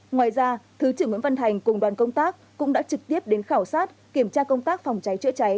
ngoài ra thứ trưởng nguyễn văn thành cùng đoàn công tác cũng đã trực tiếp đến khảo sát kiểm tra công tác phòng cháy chữa cháy